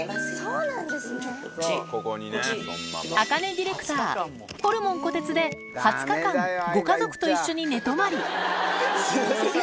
ディレクターホルモンこてつで２０日間ご家族と一緒に寝泊まり寝ましょう。